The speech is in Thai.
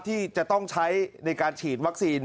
ที่จะต้องใช้ในการฉีดวัคซีน